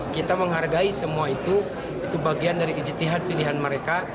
kita menghargai semua itu itu bagian dari ijitihad pilihan mereka